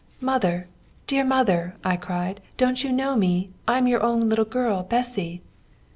'Mother, dear mother!' I cried, 'don't you know me? I am your own little girl, Bessy!'